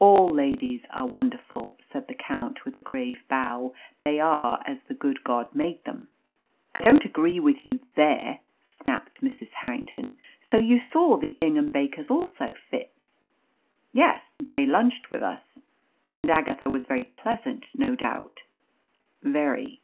"All ladies are wonderful!" said the Count, with a grave bow. "They are as the good God made them." "I don't agree with you there," snapped Mrs. Harrington. "So you saw the Ingham Bakers also, Fitz?" "Yes; they lunched with us." "And Agatha was very pleasant, no doubt?" "Very."